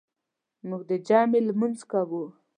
موږ د جمعې لمونځ کوو.